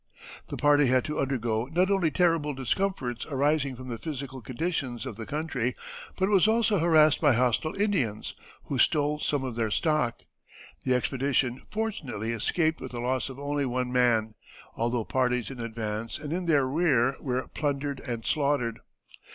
The party had to undergo not only terrible discomforts arising from the physical conditions of the country, but was also harassed by hostile Indians, who stole some of their stock. The expedition fortunately escaped with the loss of only one man, although parties in advance and in their rear were plundered and slaughtered.